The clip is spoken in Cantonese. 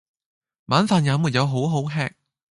晚飯也沒有好好吃！